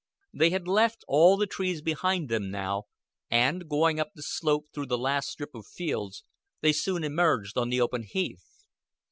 They had left all the trees behind them now, and, going up the slope through the last strip of fields, they soon emerged on the open heath.